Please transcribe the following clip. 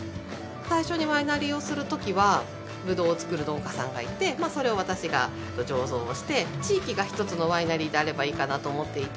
最初にワイナリーをするときはブドウを作る農家さんがいてそれを私が醸造して地域が１つのワイナリーであればいいかなと思っていて。